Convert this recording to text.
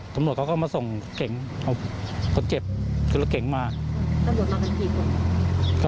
ตำรวจเขาก็มาส่งเก่งเอาคนเจ็บที่เราเก่งมาก